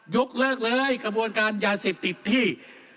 ยกเลิกเลยกระบวนการยาเสพติดที่